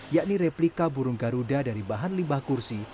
yakni replika burung garuda dari bahan limbah kursi